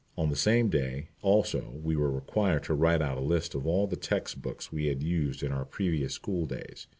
On the same day, also, we were required to write out a list of all the textbooks we had used in our previous school days.